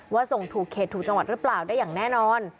ส่งถูกเขตถูกจังหวัดหรือเปล่าได้อย่างแน่นอน